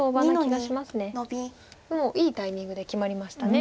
でもいいタイミングで決まりました。